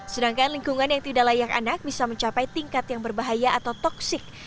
sedangkan lingkungan yang tidak layak anak bisa mencapai tingkat yang berbahaya atau toksik